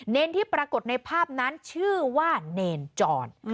เนรที่ปรากฏในภาพนั้นชื่อว่าเนรจร